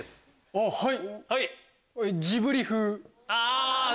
あっはい。